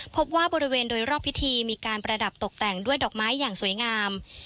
พบว่าบริเวณโดยรอบพิธีมีการประดับตกแต่งด้วยดอกไม้อย่างสวยงาม